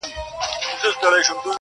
د ماتم رنگونه پاشمه له بامه